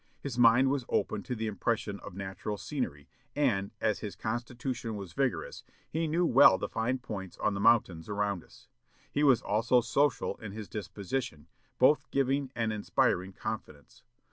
His mind was open to the impression of natural scenery, and, as his constitution was vigorous, he knew well the fine points on the mountains around us. He was also social in his disposition, both giving and inspiring confidence.